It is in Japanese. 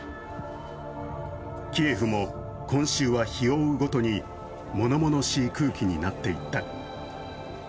キエフも今週は、日を追うごとに物々しい空気になっていった。